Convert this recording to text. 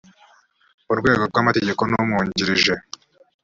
mu rwego rw amategeko n umwungirije